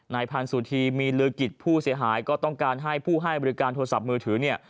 พันธ์สุธีมีลือกิจผู้เสียหายก็ต้องการให้ผู้ให้บริการโทรศัพท์มือถือเนี่ย